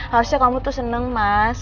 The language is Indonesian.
harusnya kamu tuh seneng mas